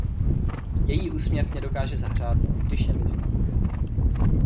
Její úsměv mě dokáže zahřát, když je mi zima.